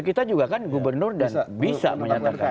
kita juga kan gubernur dan bisa menyatakan